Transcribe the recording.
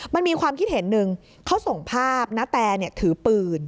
มันมีความคิดเห็นหนึ่งเขาส่งภาพณแตถือปืน